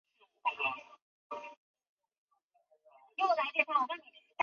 水母雪兔子为菊科风毛菊属的植物。